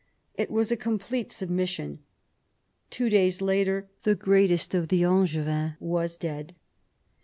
It was a complete submission. Two days later the greatest of the Angevins was dead.